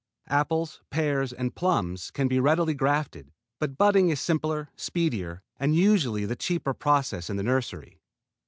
Apples, pears, and plums can be readily grafted, but budding is simpler, speedier, and usually the cheaper process in the nursery.